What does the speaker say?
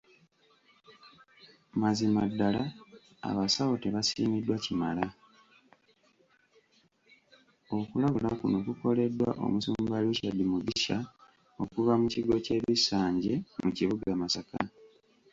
Okulabula kuno kukoleddwa Omusumba Richard Mugisha okuva mu kigo ky’e Bisanje mu kibuga Masaka .